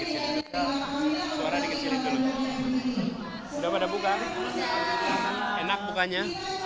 suara di kecil dulu udah pada buka enak bukanya